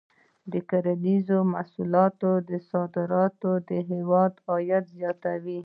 د کرنیزو محصولاتو صادرات د هېواد عاید زیاتوي.